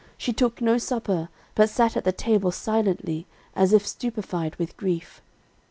She took no supper, but sat at the table silently, as if stupefied with grief.